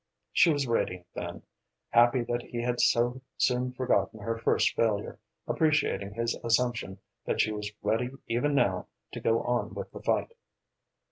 She was radiant then, happy that he had so soon forgotten her first failure, appreciating his assumption that she was ready even now to go on with the fight.